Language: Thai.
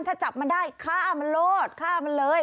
ถ้าจับมันได้ฆ่ามันรอดฆ่ามันเลย